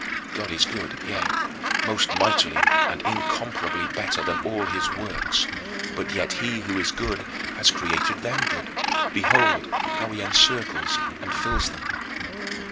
God is good, yea, most mightily and incomparably better than all his works. But yet he who is good has created them good; behold how he encircles and fills them.